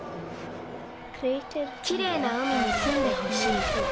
きれいな海にすんでほしい。